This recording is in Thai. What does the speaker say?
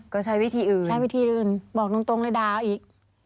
ก็ใช้วิธีอื่นใช้วิธีอื่นบอกตรงเลยด่าอีก